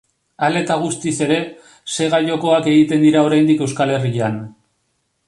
Hala eta guztiz ere, sega-jokoak egiten dira oraindik Euskal Herrian.